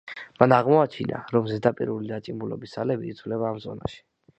მან აღმოაჩინა, რომ ზედაპირული დაჭიმულობის ძალები იცვლებოდა ამ ზონაში.